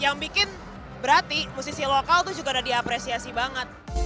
yang bikin berarti musisi lokal itu juga udah diapresiasi banget